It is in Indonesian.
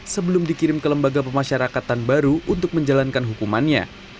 sebelum dikirim ke lembaga pemasyarakatan baru untuk menjalankan hukumannya